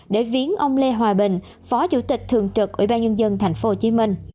để viến ông lê hòa bình phó chủ tịch thường trực ủy ban nhân dân tp hcm